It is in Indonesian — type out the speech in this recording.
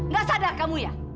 gak sadar kamu ya